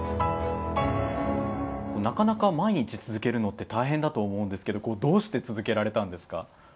なかなか毎日続けるのって大変だと思うんですけどどうして続けられたんですか？